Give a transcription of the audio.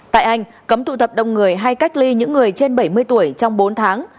tại anh cấm tụ tập đông người hay cách ly những người trên bảy mươi tuổi trong bốn tháng